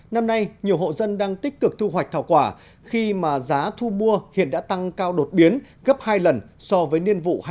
năm nay nhiều hộ dân đang tích cực thu hoạch thảo quả khi mà giá thu mua hiện đã tăng cao đột biến gấp hai lần so với niên vụ hai nghìn một mươi tám